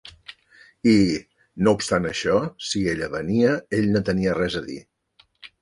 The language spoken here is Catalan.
I, no obstant això, si ella venia, ell no tenia res a dir.